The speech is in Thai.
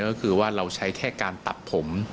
ก็คือว่าเราใช้แค่การตัดผม